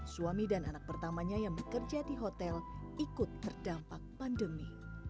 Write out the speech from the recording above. suami dan anak pertamanya yang bekerja di hotel ikut terdampak pandemi